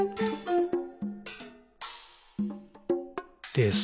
「です。」